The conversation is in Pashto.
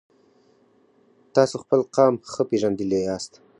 تاسو خپل قام ښه پیژندلی یاست.